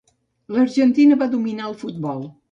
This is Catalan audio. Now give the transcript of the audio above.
L'Argentina va dominar el futbol.